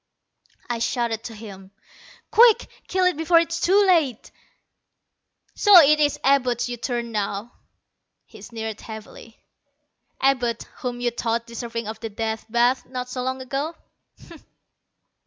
I shouted to him. "Quick, kill it before it's too late!" "So it is Abud you turn to now," he sneered heavily. "Abud, whom you thought deserving of the Death Bath not so long ago.